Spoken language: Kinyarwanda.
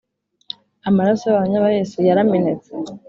amaraso y abahamya ba Yesu yaramenetse